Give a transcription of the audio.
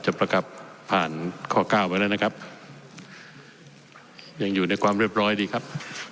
ประกลับผ่านข้อเก้าไว้แล้วนะครับยังอยู่ในความเรียบร้อยดีครับ